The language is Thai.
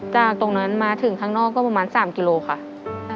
จากตรงนั้นมาถึงทางนอกก็ประมาณสามกิโลมีเมตดิน